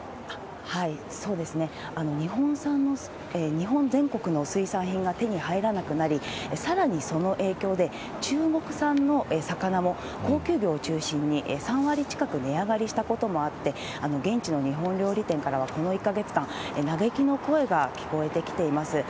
日本全国の水産品が手に入らなくなり、さらにその影響で、中国産の魚も、高級魚を中心に３割近く値上がりしたこともあって、現地の日本料理店からは、この１か月間、嘆きの声が聞こえてきています。